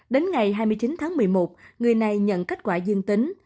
đến ngày hai mươi chín tháng một mươi một người này nhận kết quả dương tính